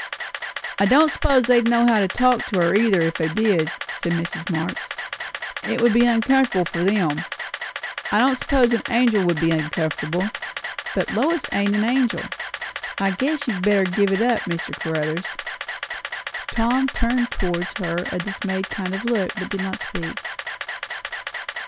"I don't suppose they'd know how to talk to her either, if they did," said Mrs. Marx. "It would be uncomfortable for them; I don't suppose an angel can be uncomfortable. But Lois ain't an angel. I guess you'd better give it up, Mr. Caruthers." Tom turned towards her a dismayed kind of look, but did not speak.